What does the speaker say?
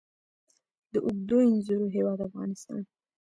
د اوږدو انځرو هیواد افغانستان.